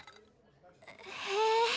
へえ。